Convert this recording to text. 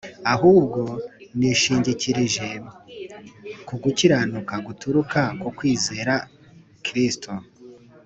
ahubwo nishingikirije ku gukiranuka guturuka ku kwizera i Kristo